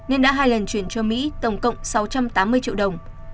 nên đã hai lần chuyển cho mỹ tổng cộng sáu trăm tám mươi triệu đồng